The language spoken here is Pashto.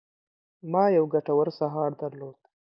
ما یو ګټور سهار درلود.